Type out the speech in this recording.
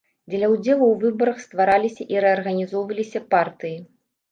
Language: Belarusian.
Дзеля ўдзелу ў выбарах ствараліся і рэарганізоўваліся партыі.